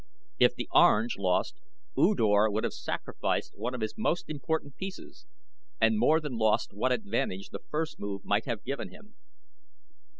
If the Orange lost U Dor would have sacrificed one of his most important pieces and more than lost what advantage the first move might have given him.